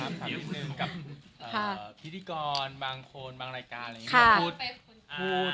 ถามนิดนึงกับพิธีกรบางคนบางรายการอะไรอย่างนี้